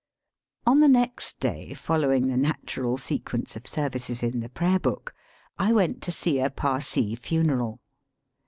On the next day, following the natural sequence of services in the prayer book, I went to see a Parsee funeral.